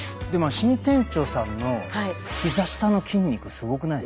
新店長さんのヒザ下の筋肉すごくないですか？